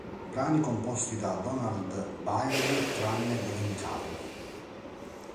Brani composti da Donald Byrd, tranne dove indicato